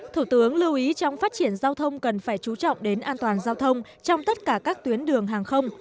thủ tướng lưu ý trong phát triển giao thông cần phải chú trọng đến an toàn giao thông trong tất cả các tuyến đường hàng không